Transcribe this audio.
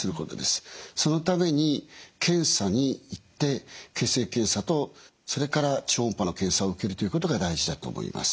そのために検査に行って血液検査とそれから超音波の検査を受けるということが大事だと思います。